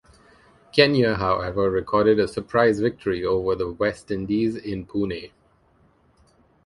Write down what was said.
Kenya, however, recorded a surprise victory over the West Indies in Pune.